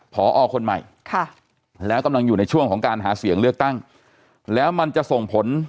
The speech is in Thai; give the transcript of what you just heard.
พอคนใหม่แล้วกำลังอยู่ในช่วงของการหาเสียงเลือกตั้งแล้วมันจะส่งผล